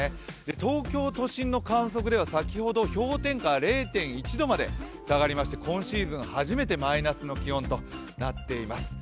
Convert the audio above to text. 東京都心の観測で先ほど氷点下０．１度まで下がりまして、今シーズン初めてマイナスの気温となっています。